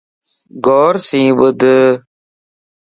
غور سين ٻڌ